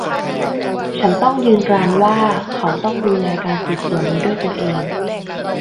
ฉันต้องยืนกรานว่าเขาต้องดูแลการสืบสวนนี้ด้วยตัวเอง